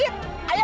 ini harus dinyalain